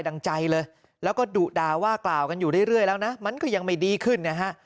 ดังใจเลยแล้วก็ดุด่าว่ากล่าวกันอยู่เรื่อยแล้วนะมันก็ยังไม่ดีขึ้นนะฮะ